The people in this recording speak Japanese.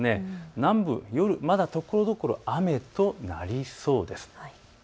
南部、まだところどころ雨となりそうです。